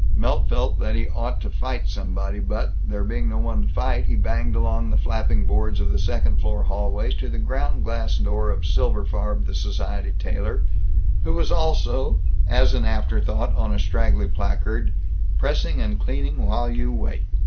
Milt felt that he ought to fight somebody but, there being no one to fight, he banged along the flapping boards of the second floor hallway to the ground glass door of Silberfarb the Society Tailor, who was also, as an afterthought on a straggly placard, "Pressng & Cleang While U Wait."